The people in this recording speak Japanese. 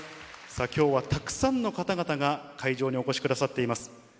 さあ、きょうはたくさんの方々が会場にお越しくださっています。